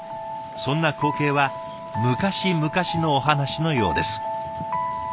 そんな光景は昔々のお話のようです。